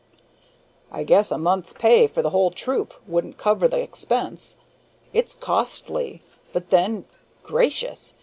"I guess a month's pay for the whole troop wouldn't cover the expense. It's costly, but then gracious!